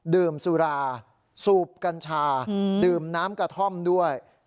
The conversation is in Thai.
ดื่มสุราสูบกัญชาดื่มน้ำกระท่อมด้วย